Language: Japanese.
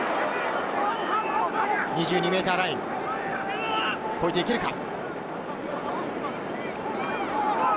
２２ｍライン、越えていけるか？